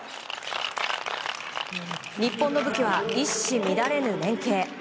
日本の武器は一糸乱れぬ連係。